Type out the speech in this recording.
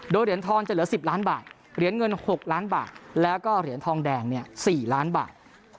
โดยเหรียญทองจะเหลือ๑๐ล้านบาทเหรียญเงิน๖ล้านบาทแล้วก็เหรียญทองแดง๔ล้านบาท